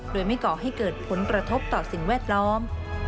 โดยไม่ก่อให้เกิดผลกระทบต่อสิ่งแวดล้อม